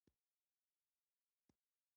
نو اويا زره ملائک ورسره ځي؛ او تر سهاره ورته